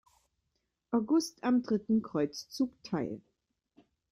August am dritten Kreuzzug teil.